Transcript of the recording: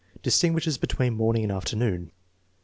Distinguishes between morning and afternoon.